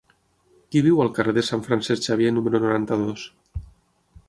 Qui viu al carrer de Sant Francesc Xavier número noranta-dos?